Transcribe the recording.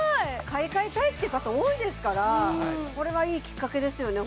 買い替えたいって方多いですからこれはいいきっかけですよね